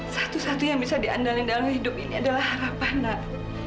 satu satu yang bisa diandalin dalam hidup ini adalah harapan anak